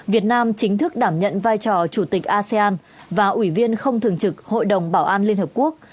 việt nam chính thức đảm nhận vai trò chủ tịch asean và ủy viên không thường trực hội đồng bảo an liên hợp quốc